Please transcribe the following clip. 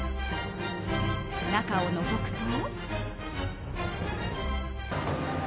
中をのぞくと。